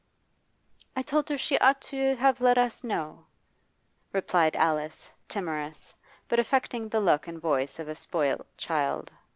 'I told her she ought to have let us know,' replied Alice, timorous, but affecting the look and voice of a spoilt child.